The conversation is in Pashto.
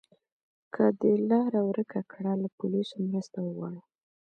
که د لاره ورکه کړه، له پولیسو مرسته وغواړه.